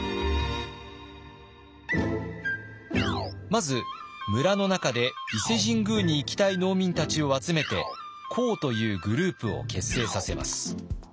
まず村の中で伊勢神宮に行きたい農民たちを集めて講というグループを結成させます。